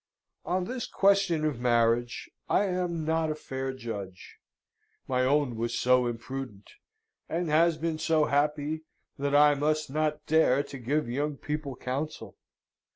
On this question of marriage, I am not a fair judge: my own was so imprudent and has been so happy, that I must not dare to give young people counsel.